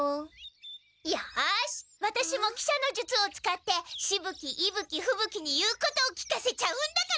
よしワタシも喜車の術を使ってしぶ鬼いぶ鬼ふぶ鬼に言うことを聞かせちゃうんだから！